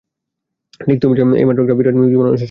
ঠিক যেন তুমি এইমাত্র একটা বিরাট মিউজিক বাজানো শেষ করেছো।